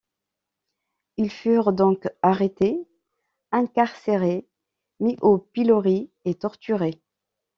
Ils furent donc arrêtés, incarcérés, mis au pilori et torturés.